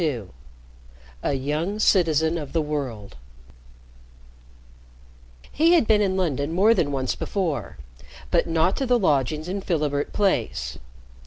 II A YOUNG CITIZEN OF THE WORLD He had been in London more than once before, but not to the lodgings in Philibert Place.